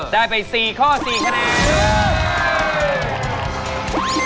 ได้ไป๔ข้อ๔คะแนน